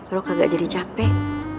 lo kagak jadi capek